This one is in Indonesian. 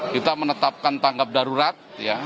kita menetapkan tanggap darurat